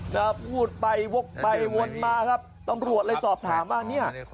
จะพูดไปวกไปวนมาครับตำรวจเลยสอบถามว่าเนี่ย